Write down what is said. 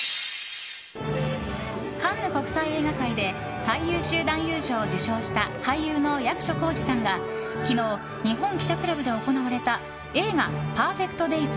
カンヌ国際映画祭で最優秀男優賞を受賞した俳優の役所広司さんが昨日、日本記者クラブで行われた映画「ＰＥＲＦＥＣＴＤＡＹＳ」